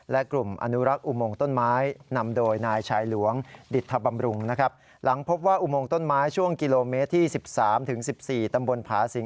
และกลุ่มอนุรักษ์อุโมงต้นไม้